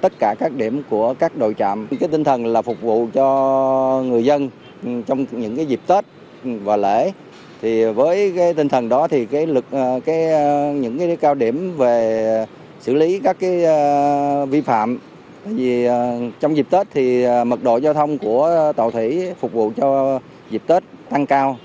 tại vì trong dịp tết thì mật độ giao thông của tàu thủy phục vụ cho dịp tết tăng cao